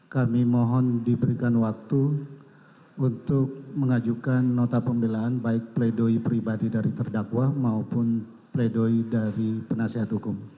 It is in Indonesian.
kami mohon diberikan waktu untuk mengajukan nota pembelaan baik pledoi pribadi dari terdakwa maupun pledoi dari penasihat hukum